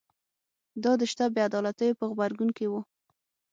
دا د شته بې عدالتیو په غبرګون کې و